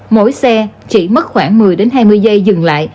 mỗi xe chỉ mất khoảng một mươi hai mươi giây dừng lại